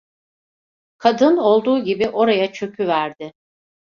Kadın olduğu gibi oraya çöküverdi.